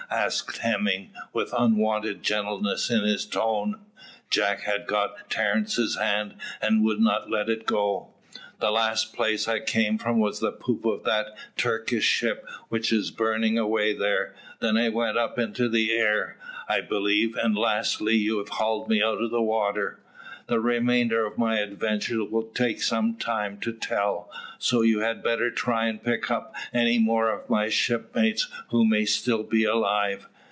asked Hemming, with unwonted gentleness in his tone. Jack had got Terence's hand, and would not let it go. "The last place I came from was the poop of that Turkish ship which is burning away there; then I went up into the air, I believe; and lastly, you have hauled me out of the water; the remainder of my adventures would take some time to tell, so you had better try and pick up any more of my shipmates who may still be alive.